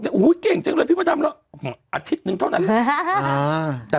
แล้วหูเก่งจังเลยพี่พระธรรมนะอาทิตย์นึงเท่านั้นอ่า